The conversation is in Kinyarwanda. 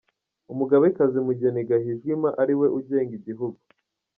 Umugabekazi Mugeni Gahwijima ariwe ugenga igihugu.